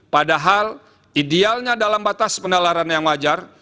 padahal idealnya dalam batas penalaran yang wajar